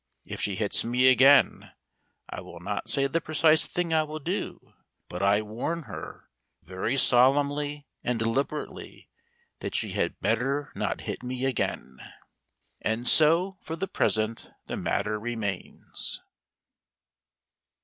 If she hits me again I will not say the precise thing I will do, but I warn her, very solemnly and deliberately, that she had better not hit me again. And so for the present the matter remains.